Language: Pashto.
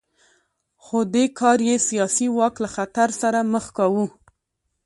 خو دې کار یې سیاسي واک له خطر سره مخ کاوه